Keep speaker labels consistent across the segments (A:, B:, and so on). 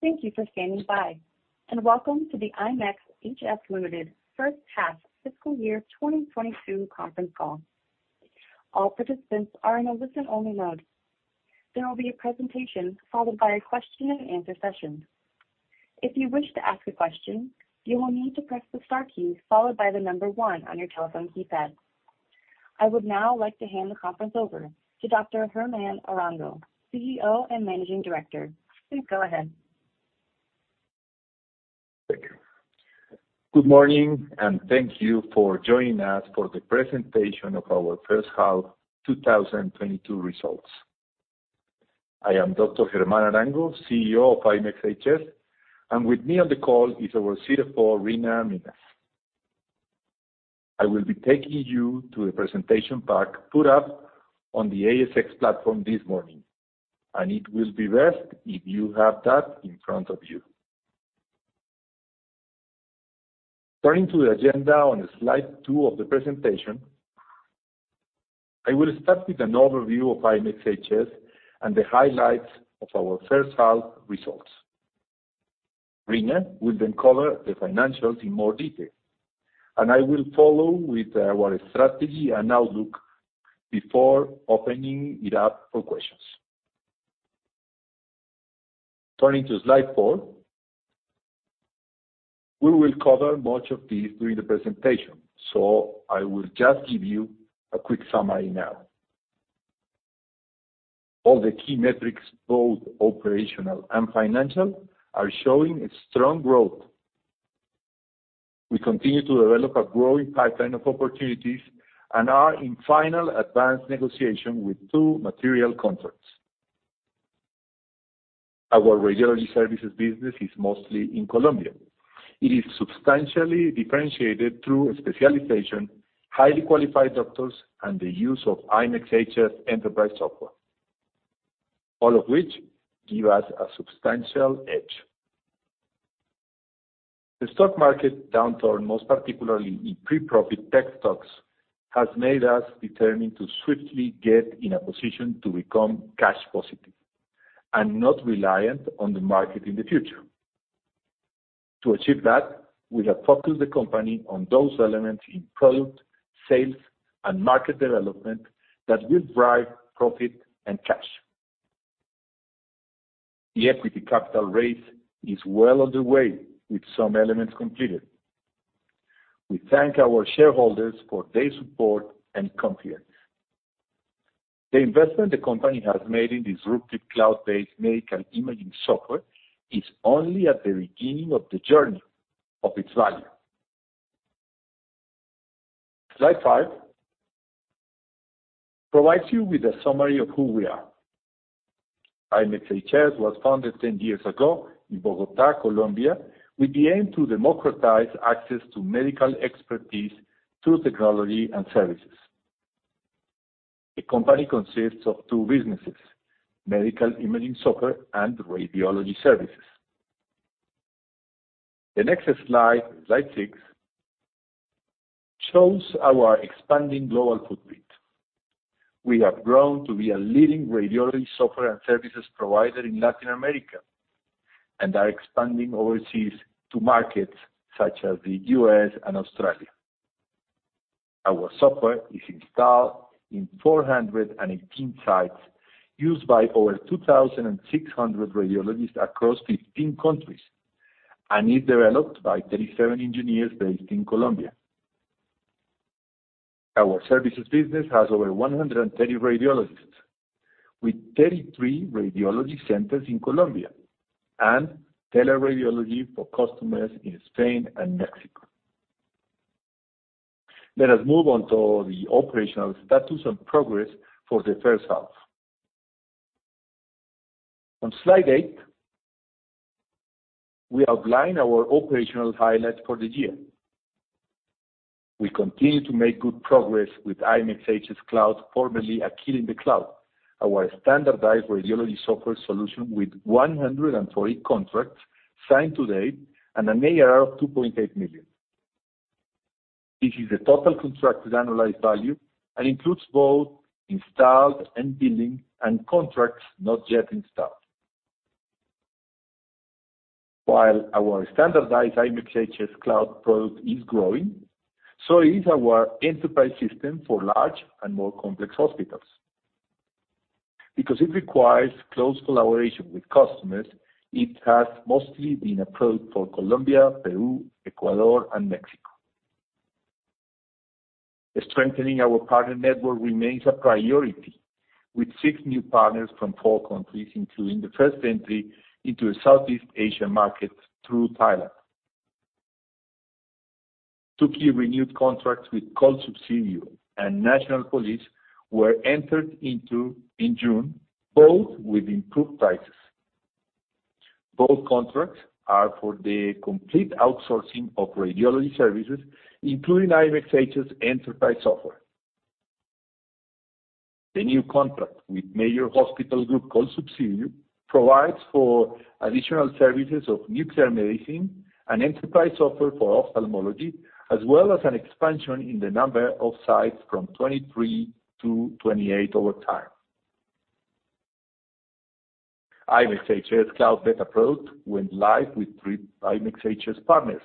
A: Thank you for standing by and welcome to the ImExHS Limited first half fiscal year 2022 conference call. All participants are in a listen-only mode. There will be a presentation followed by a question-and-answer session. If you wish to ask a question, you will need to press the star key followed by the number one on your telephone keypad. I would now like to hand the conference over to Dr. Germán Arango, CEO and Managing Director. Please go ahead.
B: Thank you. Good morning and thank you for joining us for the presentation of our first half 2022 results. I am Dr. Germán Arango, CEO of ImExHS, and with me on the call is our CFO, Reena Minhas. I will be taking you through a presentation pack put up on the ASX platform this morning, and it will be best if you have that in front of you. Turning to the agenda on slide two of the presentation, I will start with an overview of ImExHS and the highlights of our first half results. Reena will then cover the financials in more detail, and I will follow with our strategy and outlook before opening it up for questions. Turning to slide four, we will cover much of this during the presentation, so I will just give you a quick summary now. All the key metrics, both operational and financial, are showing a strong growth. We continue to develop a growing pipeline of opportunities and are in final advanced negotiation with two material contracts. Our radiology services business is mostly in Colombia. It is substantially differentiated through specialization, highly qualified doctors, and the use of ImExHS Enterprise software. All of which give us a substantial edge. The stock market downturn, most particularly in pre-profit tech stocks, has made us determined to swiftly get in a position to become cash positive and not reliant on the market in the future. To achieve that, we have focused the company on those elements in product, sales, and market development that will drive profit and cash. The equity capital raise is well underway with some elements completed. We thank our shareholders for their support and confidence. The investment the company has made in disruptive cloud-based medical imaging software is only at the beginning of the journey of its value. Slide five provides you with a summary of who we are. ImExHS was founded 10 years ago in Bogotá, Colombia, with the aim to democratize access to medical expertise through technology and services. The company consists of two businesses, medical imaging software and radiology services. The next slide six, shows our expanding global footprint. We have grown to be a leading radiology software and services provider in Latin America and are expanding overseas to markets such as the U.S. and Australia. Our software is installed in 418 sites used by over 2,600 radiologists across 15 countries and is developed by 37 engineers based in Colombia. Our services business has over 130 radiologists with 33 radiology centers in Colombia and teleradiology for customers in Spain and Mexico. Let us move on to the operational status and progress for the first half. On slide eight, we outline our operational highlights for the year. We continue to make good progress with ImExHS Cloud, formerly Aquila in the Cloud, our standardized radiology software solution with 140 contracts signed to date and an ARR of $2.8 million. This is the total contracted annualized value and includes both installed and billing and contracts not yet installed. While our standardized ImExHS Cloud product is growing, so is our IMEXHS Enterprise for large and more complex hospitals. Because it requires close collaboration with customers, it has mostly been approved for Colombia, Peru, Ecuador, and Mexico. Strengthening our partner network remains a priority, with six new partners from four countries, including the first entry into a Southeast Asia market through Thailand. Two key renewed contracts with Colsubsidio and Colombia's National Police were entered into in June, both with improved prices. Both contracts are for the complete outsourcing of radiology services, including ImExHS Enterprise software. The new contract with major hospital group Colsubsidio provides for additional services of nuclear medicine and enterprise software for ophthalmology, as well as an expansion in the number of sites from 23-28 over time. IMEXHS Cloud beta product went live with three IMEXHS partners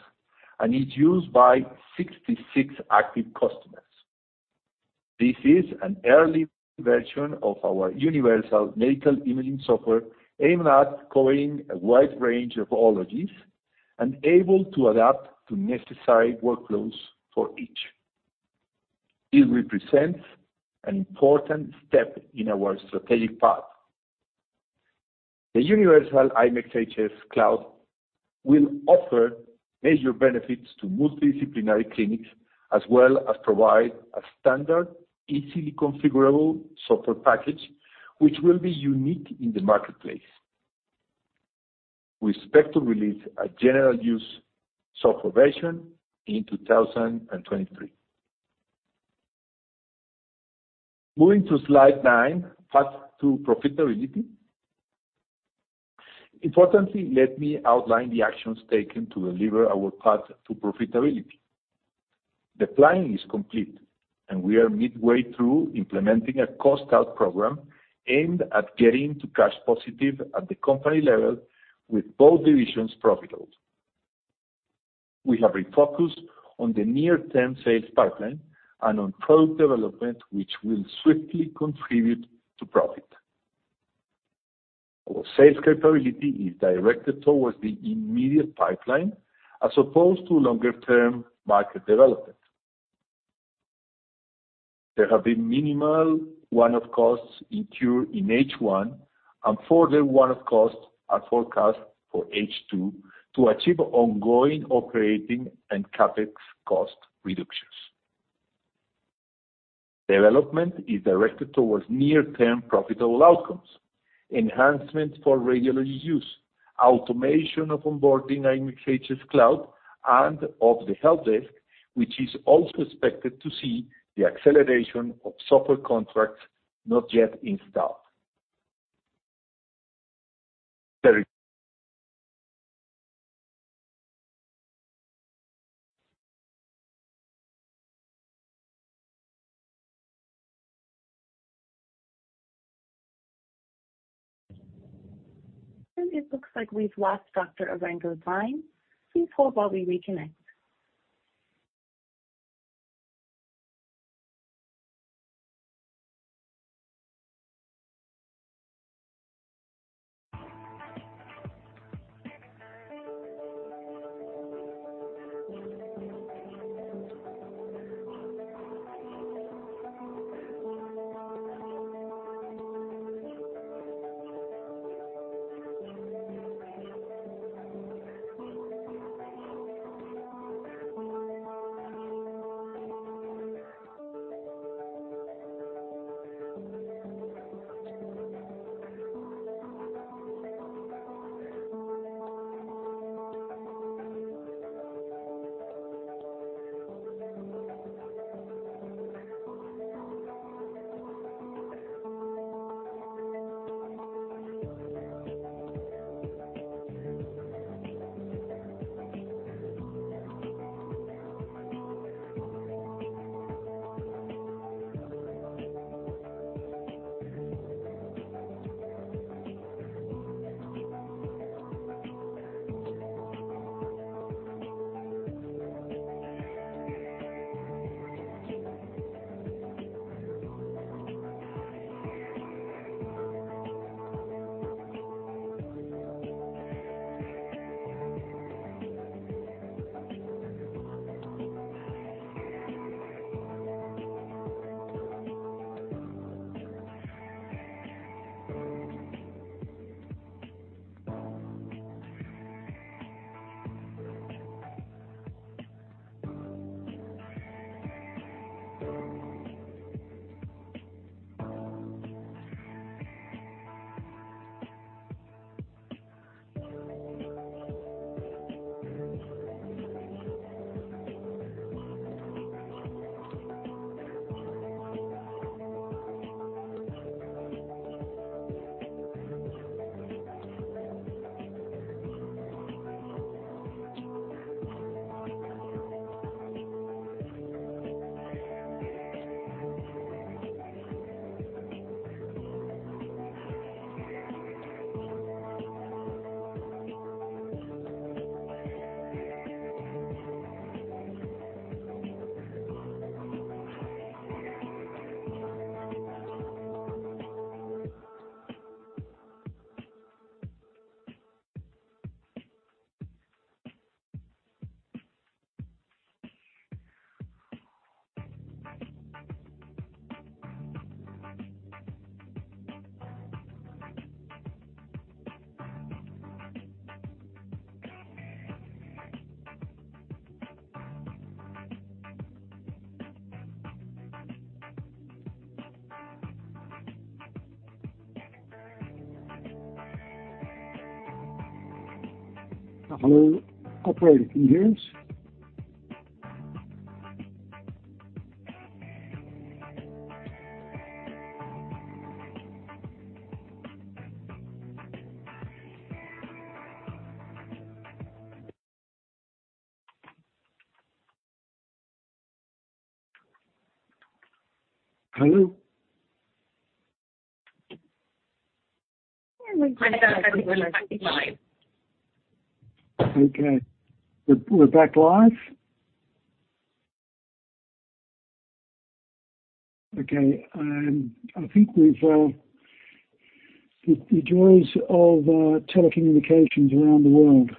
B: and is used by 66 active customers. This is an early version of our universal medical imaging software aimed at covering a wide range of ologies and able to adapt to necessary workflows for each. It represents an important step in our strategic path. The universal ImExHS Cloud will offer major benefits to multidisciplinary clinics, as well as provide a standard, easily configurable software package, which will be unique in the marketplace. We expect to release a general use software version in 2023. Moving to slide nine, path to profitability. Importantly, let me outline the actions taken to deliver our path to profitability. The planning is complete, and we are midway through implementing a cost out program aimed at getting to cash positive at the company level with both divisions profitable. We have refocused on the near-term sales pipeline and on product development, which will swiftly contribute to profit. Our sales capability is directed towards the immediate pipeline as opposed to longer-term market development. There have been minimal one-off costs incurred in H1, and further one-off costs are forecast for H2 to achieve ongoing operating and CapEx cost reductions. Development is directed towards near-term profitable outcomes, enhancements for radiology use, automation of onboarding IMEXHS Cloud, and of the help desk, which is also expected to see the acceleration of software contracts not yet installed.
A: It looks like we've lost Dr. Germán Arango's line. Please hold while we reconnect.
C: Hello? Okay. We're back live? Okay. The joys of telecommunications around the world.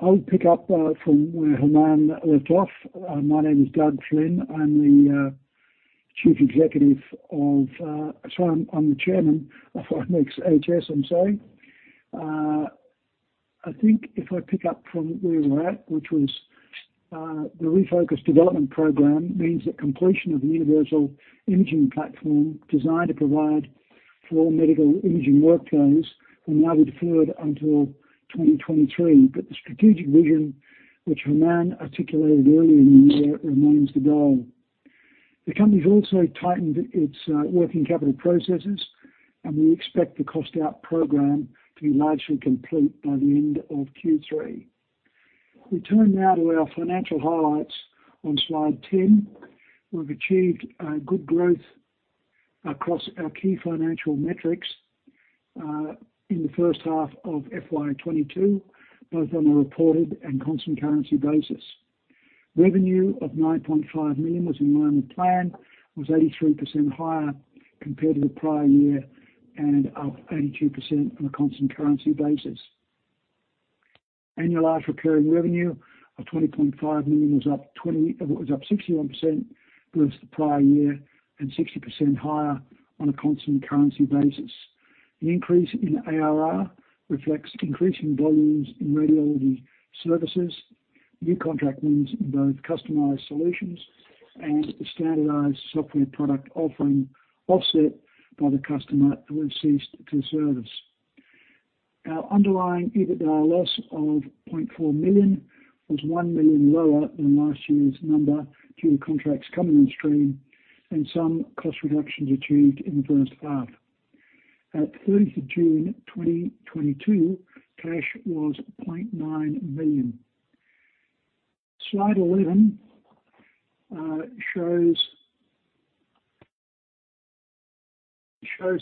C: I'll pick up from where Germán Arango left off. My name is Doug Flynn. I'm the chairman of ImExHS. I think if I pick up from where we're at, which was the refocused development program means that completion of the universal imaging platform designed to provide for medical imaging workflows are now deferred until 2023. The strategic vision, which Germán Arango articulated earlier in the year, remains the goal. The companies also tightened its working capital processes, and we expect the cost out program to be largely complete by the end of Q3. We turn now to our financial highlights on slide 10. We've achieved good growth across our key financial metrics in the first half of FY22, both on a reported and constant currency basis. Revenue of $9.5 million was in line with plan, 83% higher compared to the prior year and up 82% on a constant currency basis. Annualized recurring revenue of $20.5 million was up 61% versus the prior year and 60% higher on a constant currency basis. The increase in ARR reflects increasing volumes in radiology services, new contract wins in both customized solutions and the standardized software product offering, offset by the customer who ceased to service. Our underlying EBITDA loss of $0.4 million was $1 million lower than last year's number due to contracts coming in stream and some cost reductions achieved in the first half. At June 30th, 2022, cash was 0.9 million. Slide 11 shows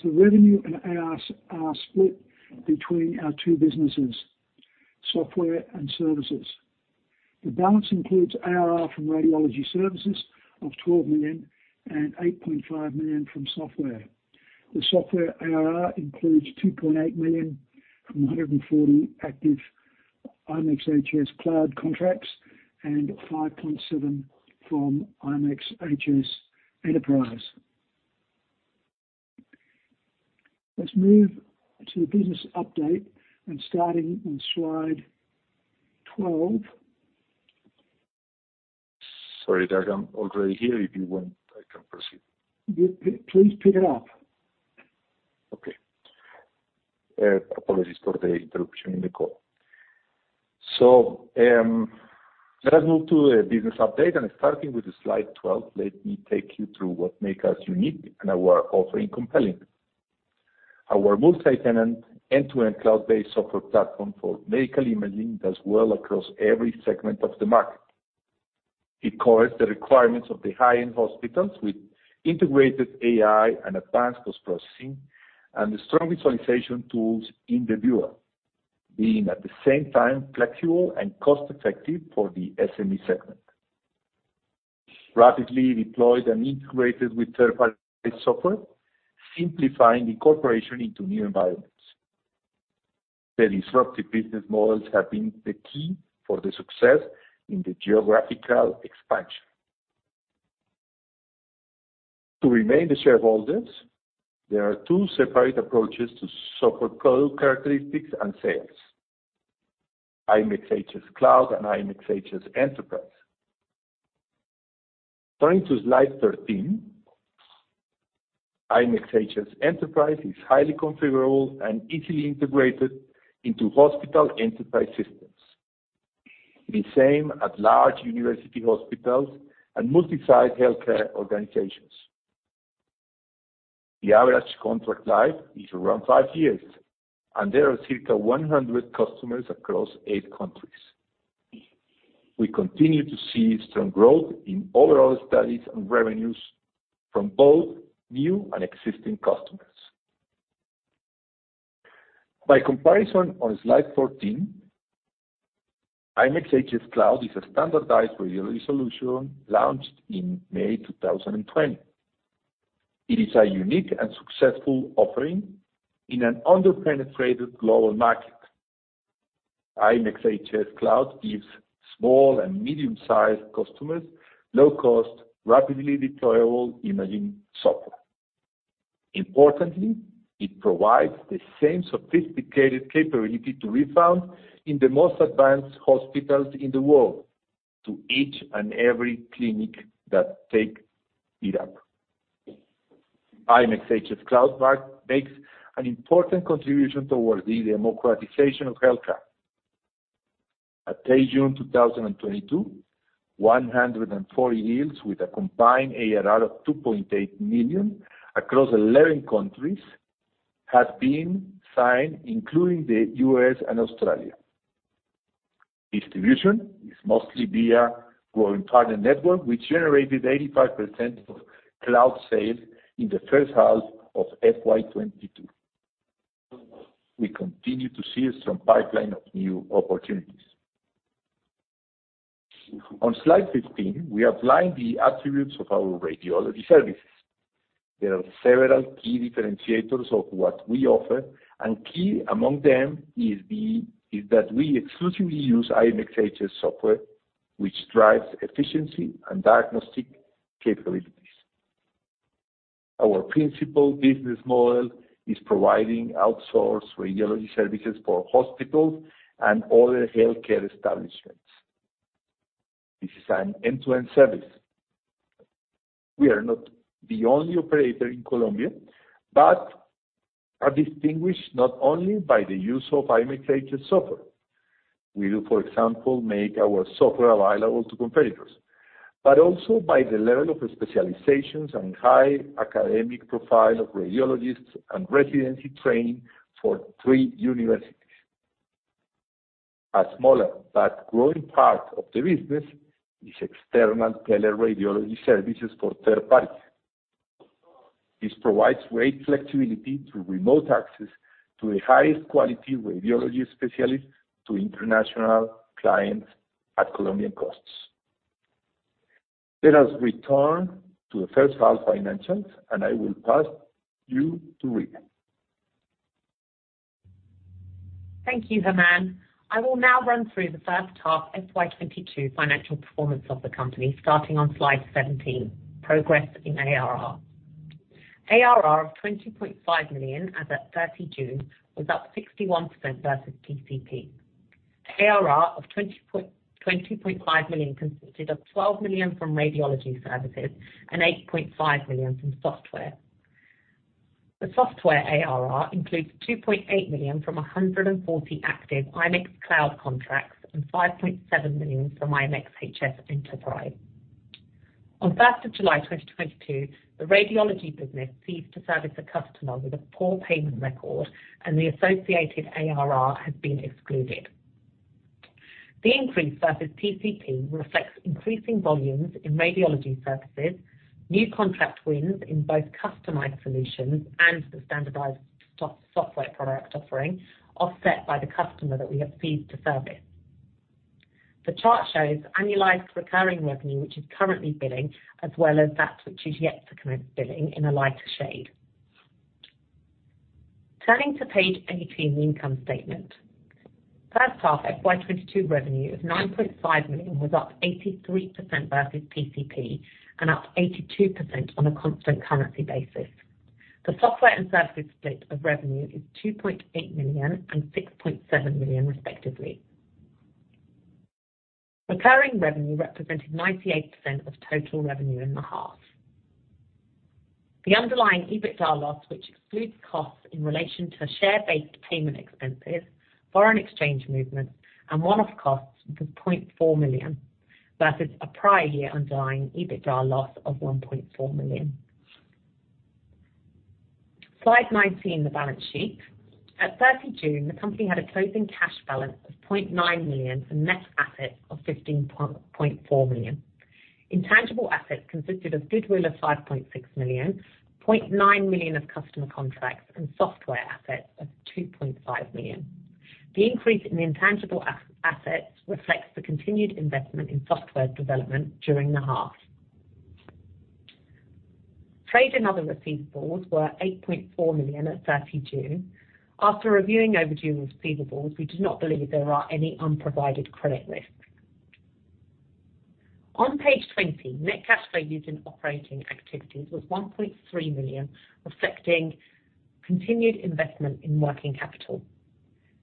C: the revenue and ARR split between our two businesses, software and services. The balance includes ARR from radiology services of 12 million and 8.5 million from software. The software ARR includes 2.8 million from 140 active ImExHS Cloud contracts and 5.7 million from ImExHS Enterprise. Let's move to the business update and starting on slide 12.
B: Sorry, Doug, I'm already here. If you want, I can proceed.
C: Please pick it up.
B: Apologies for the interruption in the call. Let us move to a business update, and starting with the slide 12, let me take you through what make us unique and our offering compelling. Our multi-tenant, end-to-end cloud-based software platform for medical imaging does well across every segment of the market. It covers the requirements of the high-end hospitals with integrated AI and advanced post-processing and strong visualization tools in the viewer. Being at the same time flexible and cost-effective for the SME segment. Rapidly deployed and integrated with third-party software, simplifying the integration into new environments. The disruptive business models have been the key for the success in the geographical expansion. To remind the shareholders, there are two separate approaches to suit product characteristics and sales. IMEXHS Cloud and IMEXHS Enterprise. Turning to slide 13. ImExHS Enterprise is highly configurable and easily integrated into hospital enterprise systems. The same at large university hospitals and multi-site healthcare organizations. The average contract life is around five years, and there are circa 100 customers across eight countries. We continue to see strong growth in overall studies and revenues from both new and existing customers. By comparison, on slide 14, ImExHS Cloud is a standardized radiology solution launched in May 2020. It is a unique and successful offering in an under-penetrated global market. ImExHS Cloud gives small and medium-sized customers low-cost, rapidly deployable imaging software. Importantly, it provides the same sophisticated capability to be found in the most advanced hospitals in the world to each and every clinic that take it up. ImExHS Cloud makes an important contribution towards the democratization of healthcare. At June 2022, 140 deals with a combined ARR of $2.8 million across 11 countries has been signed, including the U.S. and Australia. Distribution is mostly via growing partner network, which generated 85% of cloud sales in the first half of FY22. We continue to see a strong pipeline of new opportunities. On slide 15, we outline the attributes of our radiology services. There are several key differentiators of what we offer, and key among them is that we exclusively use ImExHS software, which drives efficiency and diagnostic capabilities. Our principal business model is providing outsourced radiology services for hospitals and other healthcare establishments. This is an end-to-end service. We are not the only operator in Colombia, but are distinguished not only by the use of ImExHS software. We do, for example, make our software available to competitors. also by the level of specializations and high academic profile of radiologists and residency training for three universities. A smaller but growing part of the business is external teleradiology services for third parties. This provides great flexibility to remote access to the highest quality radiology specialists to international clients at Colombian costs. Let us return to the first half financials, and I will pass you to Reena.
D: Thank you, Germán. I will now run through the first half FY22 financial performance of the company, starting on slide 17, progress in ARR. ARR of $20.5 million as at June 30th was up 61% versus PCP. ARR of $20.5 million consisted of $12 million from radiology services and $8.5 million from software. The software ARR includes $2.8 million from 140 active IMEXHS Cloud contracts and $5.7 million from IMEXHS Enterprise. On July 1, 2022 the radiology business ceased to service a customer with a poor payment record, and the associated ARR has been excluded. The increase versus PCP reflects increasing volumes in radiology services, new contract wins in both customized solutions and the standardized software product offering offset by the customer that we have ceased to service. The chart shows annualized recurring revenue which is currently billing as well as that which is yet to commence billing in a lighter shade. Turning to page 18, the income statement. First half FY22 revenue of $9.5 million was up 83% versus PCP and up 82% on a constant currency basis. The software and services split of revenue is $2.8 million and $6.7 million respectively. Recurring revenue represented 98% of total revenue in the half. The underlying EBITDA loss which excludes costs in relation to share-based payment expenses, foreign exchange movements, and one-off costs was $0.4 million versus a prior year underlying EBITDA loss of $1.4 million. Slide 19, the balance sheet. At June 30th, the company had a closing cash balance of $0.9 million and net assets of $15.4 million. Intangible assets consisted of goodwill of 5.6 million, 0.9 million of customer contracts and software assets of 2.5 million. The increase in the intangible assets reflects the continued investment in software development during the half. Trade and other receivables were 8.4 million at June 30th. After reviewing overdue receivables, we do not believe there are any unprovided credit risks. On page 20, net cash flows in operating activities was 1.3 million, reflecting continued investment in working capital.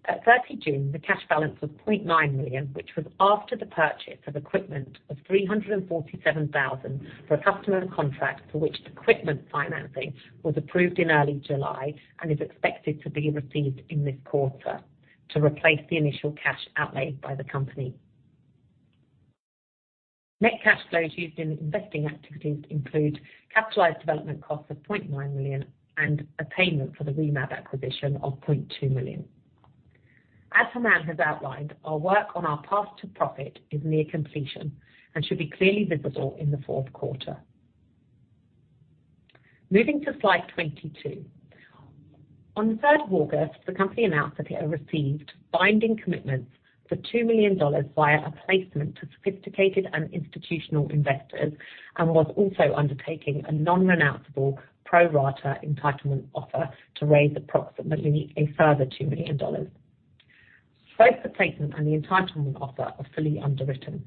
D: At June 30th, the cash balance was 0.9 million which was after the purchase of equipment of 347,000 for a customer contract for which equipment financing was approved in early July and is expected to be received in this quarter to replace the initial cash outlay by the company. Net cash flows used in investing activities include capitalized development costs of 0.9 million and a payment for the RIMAB acquisition of 0.2 million. Germán has outlined, our work on our path to profit is near completion and should be clearly visible in the fourth quarter. Moving to slide 22. On the third of August, the company announced that it had received binding commitments for 2 million dollars via a placement to sophisticated and institutional investors and was also undertaking a non-renounceable pro rata entitlement offer to raise approximately a further 2 million dollars. Both the placement and the entitlement offer are fully underwritten.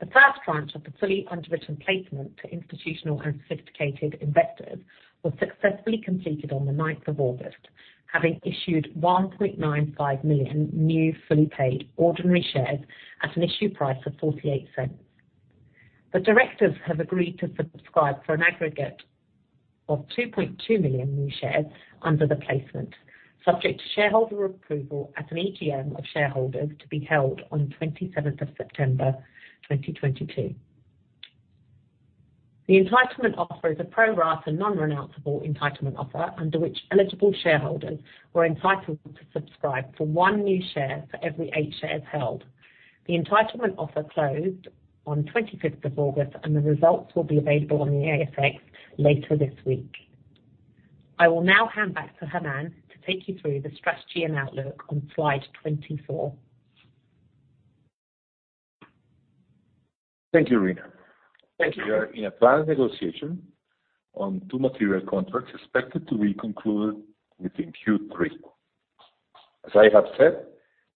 D: The first tranche of the fully underwritten placement to institutional and sophisticated investors was successfully completed on the August 9th, having issued 1.95 million new fully paid ordinary shares at an issue price of 0.48. The directors have agreed to subscribe for an aggregate of 2.2 million new shares under the placement, subject to shareholder approval at an AGM of shareholders to be held on twenty-seventh of September 2022. The entitlement offer is a pro rata non-renounceable entitlement offer under which eligible shareholders were entitled to subscribe for one new share for every eight shares held. The entitlement offer closed on twenty-fifth of August, and the results will be available on the ASX later this week. I will now hand back to Germán to take you through the strategy and outlook on slide 24.
B: Thank you, Reena. Thank you. We are in advanced negotiation on two material contracts expected to be concluded within Q3. As I have said,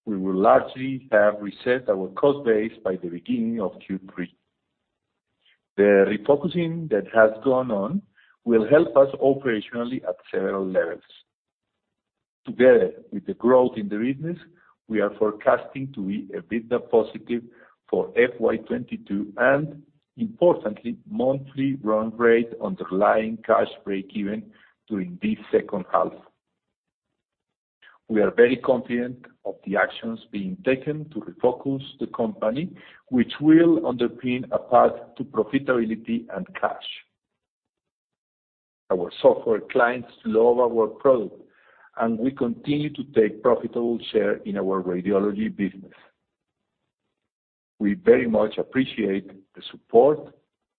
B: we will largely have reset our cost base by the beginning of Q3. The refocusing that has gone on will help us operationally at several levels. Together with the growth in the business, we are forecasting to be EBITDA positive for FY22 and importantly, monthly run rate underlying cash break even during this second half. We are very confident of the actions being taken to refocus the company, which will underpin a path to profitability and cash. Our software clients love our product, and we continue to take profitable share in our radiology business. We very much appreciate the support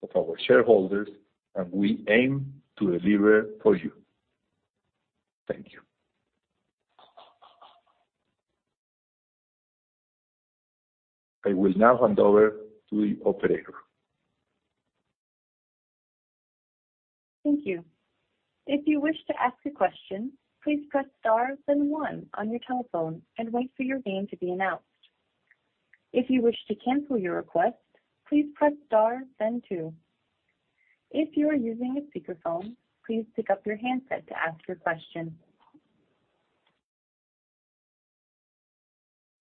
B: of our shareholders, and we aim to deliver for you. Thank you. I will now hand over to the operator.
A: Thank you. If you wish to ask a question, please press star then one on your telephone and wait for your name to be announced. If you wish to cancel your request, please press star then two. If you are using a speakerphone, please pick up your handset to ask your question.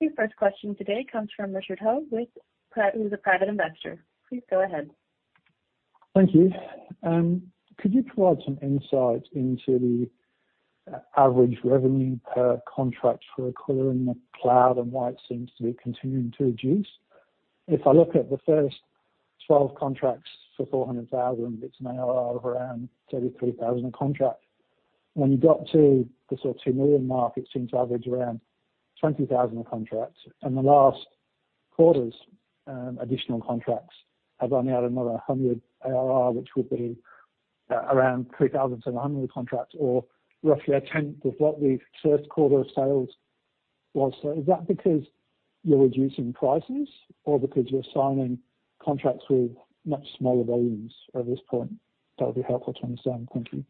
A: Your first question today comes from Richard Hogue, who's a private investor. Please go ahead.
E: Thank you. Could you provide some insight into the average revenue per contract for Aquila in the Cloud and why it seems to be continuing to reduce? If I look at the first 12 contracts for $400,000, it's an ARR of around $33,000 a contract. When you got to the sort of $2 million mark, it seems to average around $20,000 a contract. The last quarter's additional contracts have only had another $100,000 ARR, which would be around $3,700 a contract, or roughly a tenth of what the first quarter of sales was. Is that because you're reducing prices or because you're signing contracts with much smaller volumes at this point? That would be helpful to understand. Thank you.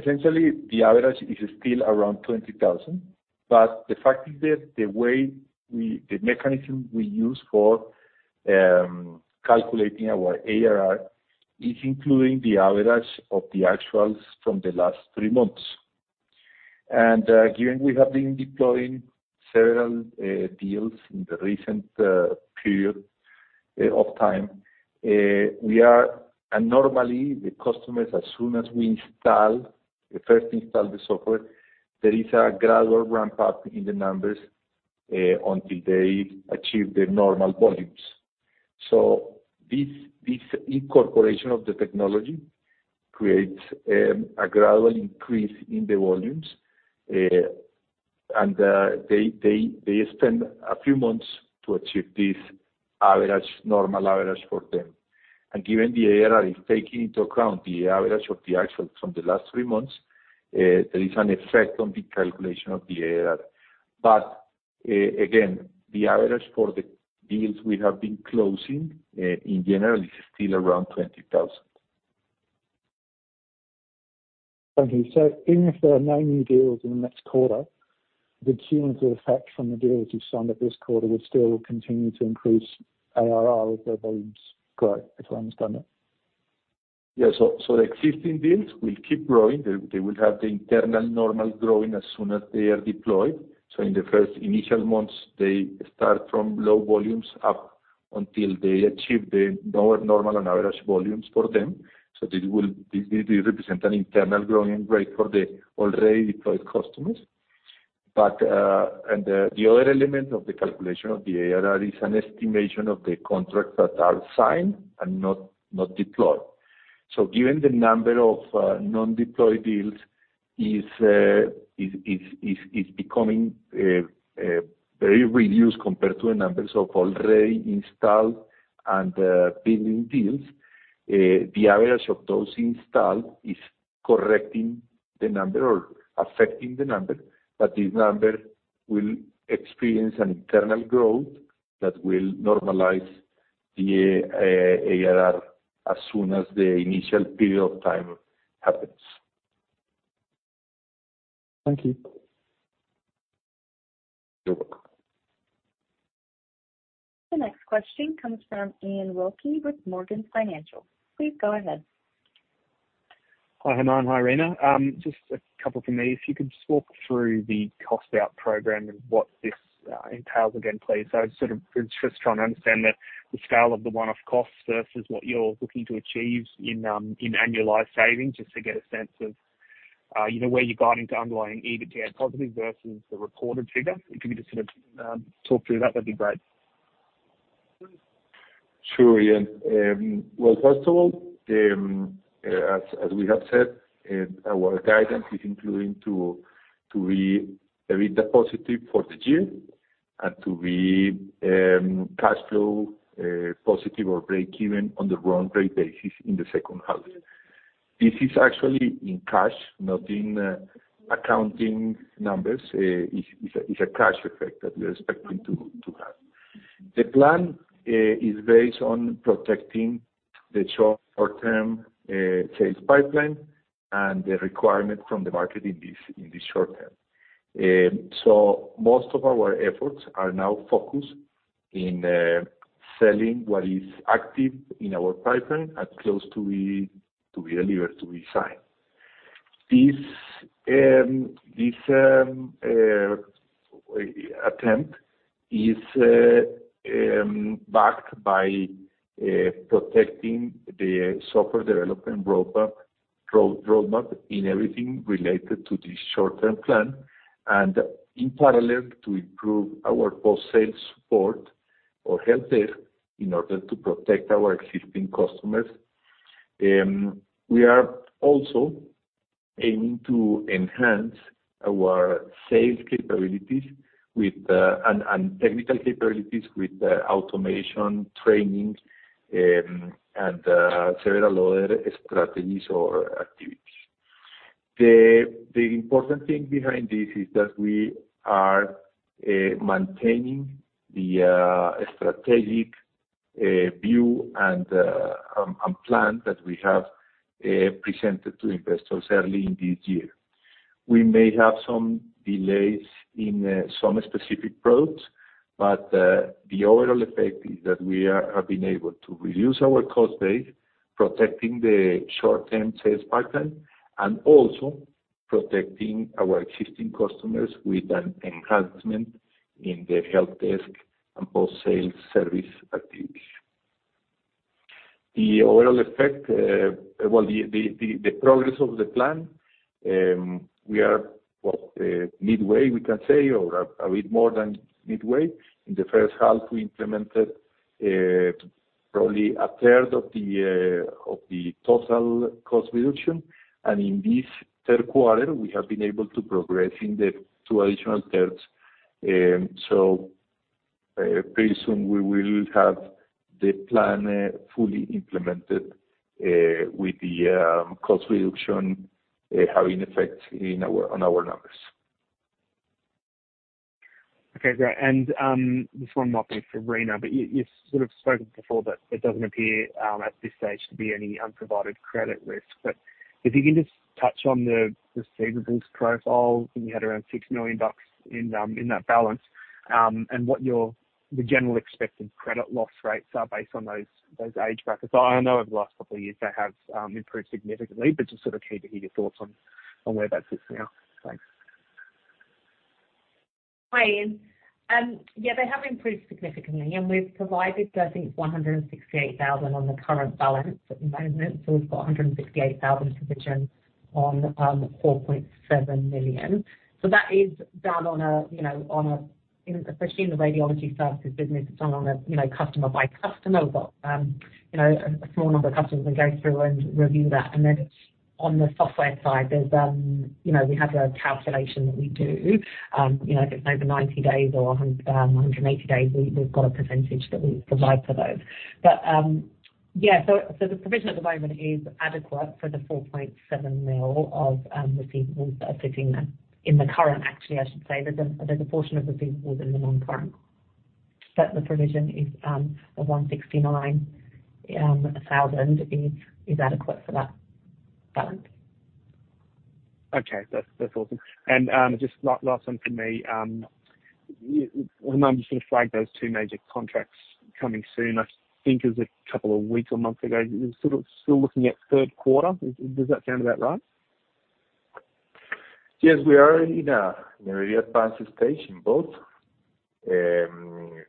B: Essentially the average is still around 20,000. The fact is that the mechanism we use for calculating our ARR is including the average of the actuals from the last three months. Given we have been deploying several deals in the recent period of time, normally the customers, as soon as we install the first install the software, there is a gradual ramp-up in the numbers until they achieve their normal volumes. This incorporation of the technology creates a gradual increase in the volumes. They spend a few months to achieve this average, normal average for them. Given the ARR is taking into account the average of the actual from the last three months, there is an effect on the calculation of the ARR. Again, the average for the deals we have been closing, in general, is still around $20,000.
E: Thank you. Even if there are no new deals in the next quarter, the cumulative effect from the deals you've signed in this quarter would still continue to increase ARR as their volumes grow. If I understand that?
B: Yeah. The existing deals will keep growing. They will have the internal normal growing as soon as they are deployed. In the first initial months they start from low volumes up until they achieve the lower normal and average volumes for them. This will represent an internal growing rate for the already deployed customers. And the other element of the calculation of the ARR is an estimation of the contracts that are signed and not deployed. Given the number of non-deployed deals is becoming very reduced compared to the numbers of already installed and billing deals, the average of those installed is correcting the number or affecting the number. this number will experience an internal growth that will normalize the ARR as soon as the initial period of time happens.
E: Thank you.
B: You're welcome.
A: The next question comes from Iain Wilkie with Morgans Financial. Please go ahead.
F: Hi, Germán. Hi, Reena. Just a couple from me. If you could just walk through the cost out program and what this entails again, please. I was sort of just trying to understand the scale of the one-off costs versus what you're looking to achieve in annualized savings, just to get a sense ofyou know, where you got into underlying EBITDA positive versus the reported figure. If you could just sort of talk through that'd be great.
B: Sure, Iain. Well, first of all, as we have said, our guidance is intended to be EBITDA positive for the year and to be cash flow positive or break even on the run rate basis in the second half. This is actually in cash, not in accounting numbers. It's a cash effect that we're expecting to have. The plan is based on protecting the short-term sales pipeline and the requirement from the market in the short term. Most of our efforts are now focused on selling what is active in our pipeline and close to be delivered, to be signed. This attempt is backed by protecting the software development roadmap in everything related to this short-term plan, and in parallel to improve our post-sales support or help desk in order to protect our existing customers. We are also aiming to enhance our sales capabilities and technical capabilities with the automation, training, and several other strategies or activities. The important thing behind this is that we are maintaining the strategic view and plan that we have presented to investors early in this year. We may have some delays in some specific products, but the overall effect is that we have been able to reduce our cost base, protecting the short-term sales pattern, and also protecting our existing customers with an enhancement in the help desk and post-sales service activities. The overall effect, the progress of the plan, we are midway, we can say, or a bit more than midway. In the first half, we implemented probably a third of the total cost reduction. In this third quarter, we have been able to progress in the two additional thirds. Very soon we will have the plan fully implemented with the cost reduction having effect on our numbers.
F: Okay, great. This one might be for Reena, but you sort of spoken before, but it doesn't appear at this stage to be any unprovided credit risk. If you can just touch on the receivables profile, I think you had around $6 million in that balance, and what your the general expected credit loss rates are based on those age brackets. I know over the last couple of years, they have improved significantly, but just sort of keen to hear your thoughts on where that sits now. Thanks.
D: Hi, Ian. Yeah, they have improved significantly, and we've provided, I think $168,000 on the current balance at the moment. We've got a $168,000 provision on $4.7 million. That is done on a, you know, on a, especially in the radiology services business, it's done on a, you know, customer by customer. But you know, a small number of customers we go through and review that. Then on the software side, there's you know, we have a calculation that we do, you know, if it's over 90 days or 180 days, we've got a percentage that we provide for those. The provision at the moment is adequate for the $4.7 million of receivables that are sitting there in the current, actually, I should say. There's a portion of receivables in the non-current. The provision is the $169 thousand is adequate for that balance.
F: Okay. That's awesome. Just last one from me. Germán, you sort of flagged those two major contracts coming soon, I think it was a couple of weeks or months ago. You're sort of still looking at third quarter. Does that sound about right?
B: Yes, we are in a very advanced stage in both. We are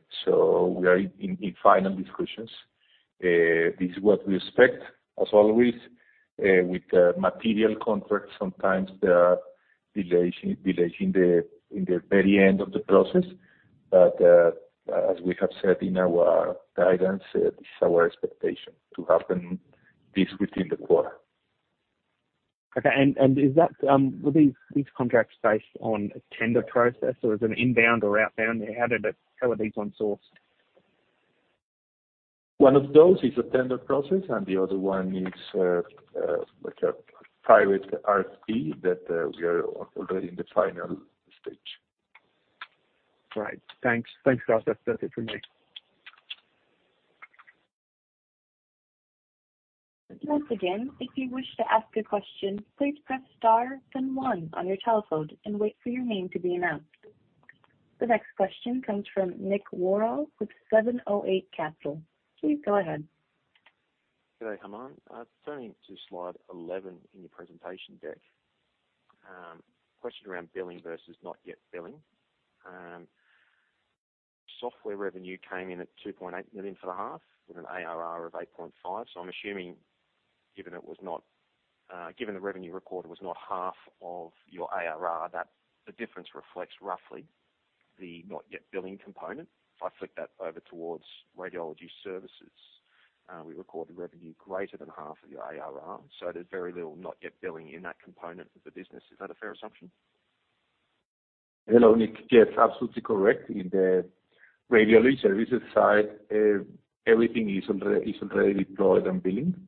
B: in final discussions. This is what we expect. As always, with material contracts, sometimes there are delays in the very end of the process. As we have said in our guidance, this is our expectation to happen this within the quarter.
F: Okay. Were these contracts based on a tender process or is it inbound or outbound? How are these ones sourced?
B: One of those is a tender process, and the other one is a like a private RFP that we are already in the final stage.
F: Right. Thanks. Thanks for that. That's it from me.
A: Once again, if you wish to ask a question, please press star then one on your telephone and wait for your name to be announced. The next question comes from Nick Warrilow with 708 Capital. Please go ahead.
G: Good day, Germán. Turning to slide 11 in your presentation deck. Question around billing versus not yet billing. Software revenue came in at $2.8 million for the half with an ARR of $8.5 million. I'm assuming given it was not, given the revenue recorded was not half of your ARR, that the difference reflects roughly the not yet billing component. If I flick that over towards radiology services, we record the revenue greater than half of your ARR. There's very little not yet billing in that component of the business. Is that a fair assumption?
B: Hello, Nick. Yes, absolutely correct. In the radiology services side, everything is already deployed and billing.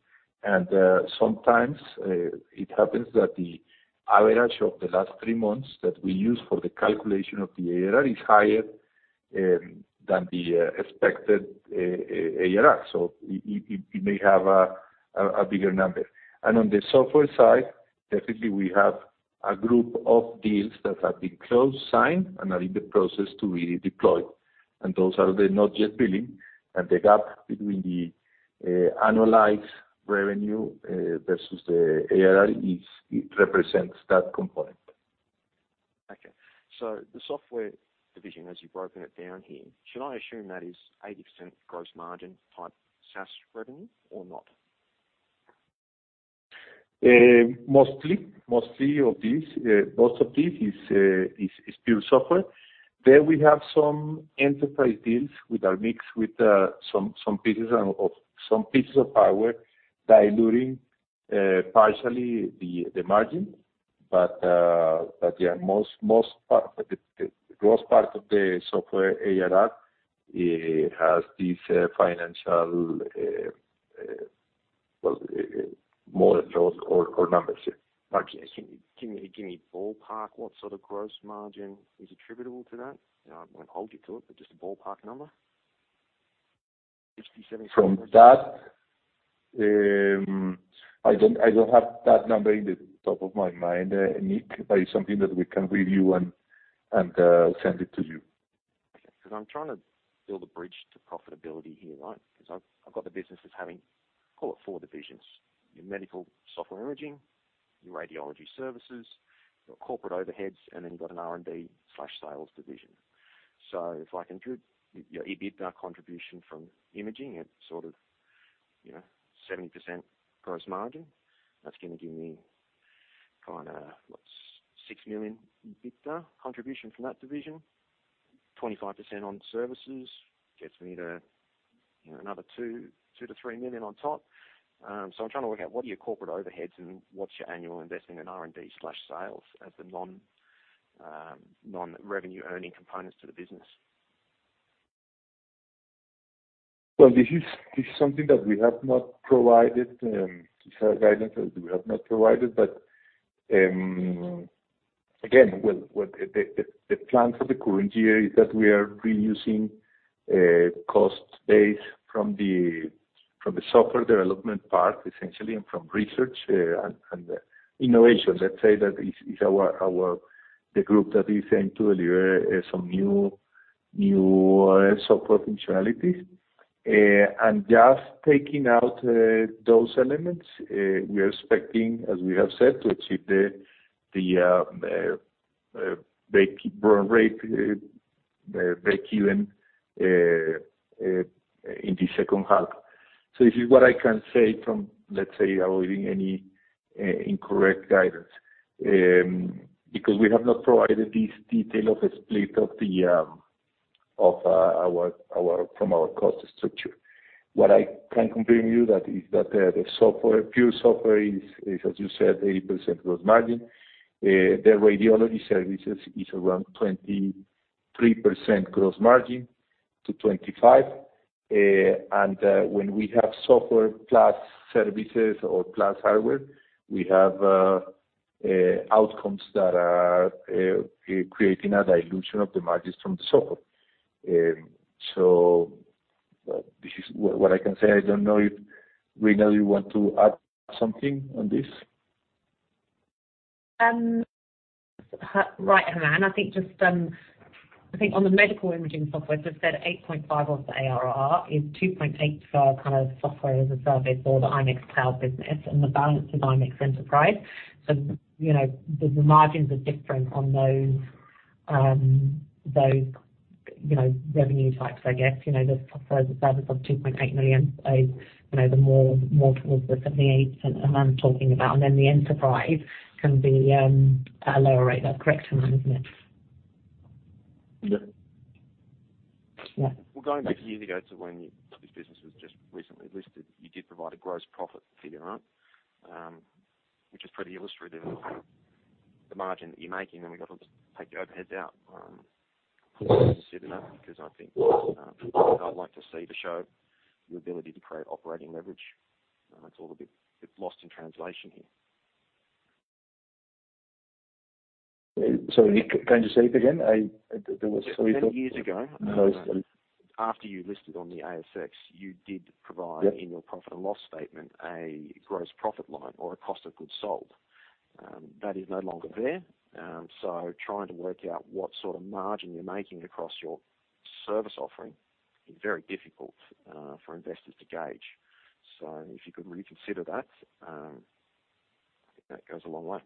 B: Sometimes it happens that the average of the last three months that we use for the calculation of the ARR is higher than the expected ARR. So you may have a bigger number. On the software side, definitely we have a group of deals that have been closed, signed, and are in the process to be deployed. Those are the not yet billing. The gap between the annualized revenue versus the ARR is. It represents that component.
G: Okay. The software division, as you've broken it down here, should I assume that is 80% gross margin type SaaS revenue or not?
B: Most of this is pure software. We have some enterprise deals with a mix of some pieces of hardware diluting partially the margin. Yeah, most part, the gross part of the software ARR has this financial model or numbers, yeah.
G: Okay. Can you give me ballpark what sort of gross margin is attributable to that? You know, I won't hold you to it, but just a ballpark number. 60%-70%.
B: From that, I don't have that number in the top of my mind, Nick. But it's something that we can review and send it to you.
G: Okay. Because I'm trying to build a bridge to profitability here, right? Because I've got the businesses having, call it 4 divisions, your medical software imaging, your radiology services, your corporate overheads, and then you've got an R&D/sales division. If I can do your EBITDA contribution from imaging at sort of, you know, 70% gross margin, that's gonna give me kinda, what, $6 million EBITDA contribution from that division. 25% on services gets me to, you know, another $2-$3 million on top. I'm trying to work out what are your corporate overheads and what's your annual investment in R&D/sales as the non-revenue earning components to the business.
B: Well, this is something that we have not provided guidance that we have not provided. Again, what the plan for the current year is that we are reusing cost base from the software development part essentially and from research and innovation. Let's say that is our group that is aimed to deliver some new software functionalities. And just taking out those elements, we are expecting, as we have said, to achieve the break even in the second half. This is what I can say from, let's say, avoiding any incorrect guidance, because we have not provided this detail of a split of our cost structure. What I can confirm you that is that the software, pure software is as you said, 80% gross margin. The radiology services is around 23% gross margin to 25%. When we have software plus services or plus hardware, we have outcomes that are creating a dilution of the margins from the software. This is what I can say. I don't know if Reena, you want to add something on this.
D: Right, Germán. I think on the medical imaging software, as I said, $8.5 of the ARR is $2.8 for our kind of software as a service or the ImExHS Cloud business and the balance of ImExHS Enterprise. You know, the margins are different on those, you know, revenue types, I guess. You know, the software as a service of $2.8 million is, you know, more towards the 78% Germán's talking about, and then the enterprise can be at a lower rate. That's correct, Germán, isn't it?
B: Yeah.
D: Yeah.
G: Well, going back years ago to when this business was just recently listed, you did provide a gross profit figure, right? Which is pretty illustrative of the margin that you're making, then we got to take your overheads out, considering that, because I think I'd like to see to show your ability to create operating leverage. It's all a bit lost in translation here.
B: Sorry, Nick, can you say it again?
G: 10 years ago.
B: No, sorry.
G: After you listed on the ASX, you did provide.
B: Yeah.
G: In your profit and loss statement, a gross profit line or a cost of goods sold. That is no longer there. Trying to work out what sort of margin you're making across your service offering is very difficult for investors to gauge. If you could reconsider that, I think that goes a long way.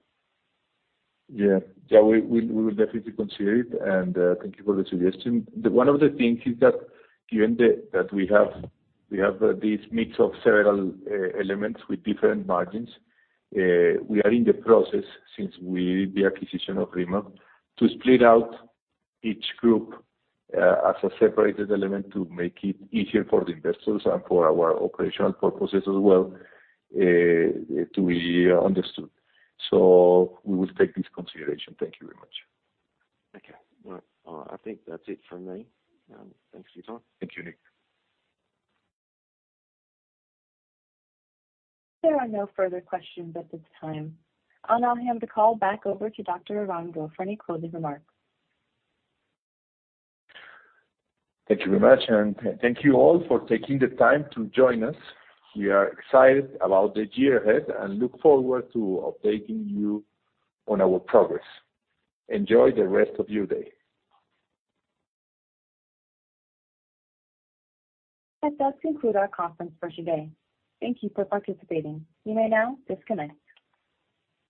B: Yeah. Yeah, we will definitely consider it, and thank you for the suggestion. One of the things is that given that we have this mix of several elements with different margins, we are in the process since we did the acquisition of RIMAB to split out each group as a separated element to make it easier for the investors and for our operational purposes as well to be understood. We will take this consideration. Thank you very much.
G: Okay. Well, I think that's it from me. Thanks for your time.
B: Thank you, Nick.
A: There are no further questions at this time. I'll now hand the call back over to Dr. Germán Arango for any closing remarks.
B: Thank you very much, and thank you all for taking the time to join us. We are excited about the year ahead and look forward to updating you on our progress. Enjoy the rest of your day.
A: That does conclude our conference for today. Thank you for participating. You may now disconnect.